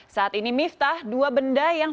saat ini miftah dua benda yang